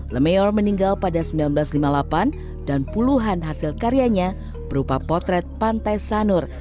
lemeor meninggal pada seribu sembilan ratus lima puluh delapan dan puluhan hasil karyanya berupa potret pantai sanur